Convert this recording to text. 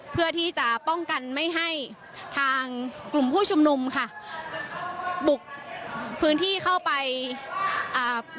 เพื่อที่จะป้องกันไม่ให้ทางกลุ่มผู้ชุมนุมค่ะบุกพื้นที่เข้าไปอ่า